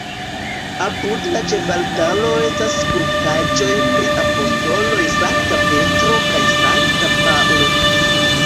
Apud la ĉefaltaro estas skulptaĵoj pri apostoloj Sankta Petro kaj Sankta Paŭlo.